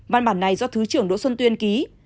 văn bản này do thứ trưởng đỗ xuân tuyên ký